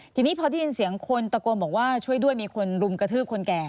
ทีนี้พอได้ยินเสียงคนตะโกนบอกว่าช่วยด้วยมีคนรุมกระทืบคนแก่